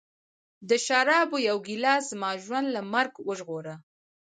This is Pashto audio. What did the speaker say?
د شرابو یوه ګیلاس زما ژوند له مرګ وژغوره